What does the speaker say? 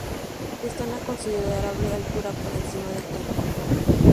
Están a considerable altura por encima del terreno.